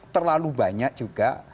terlalu banyak juga